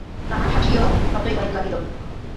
তাহার হাসিও ততই বাড়িতে লাগিল।